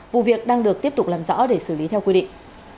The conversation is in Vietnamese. vụ việc đang được tiếp tục làm rõ để xử lý theo quy định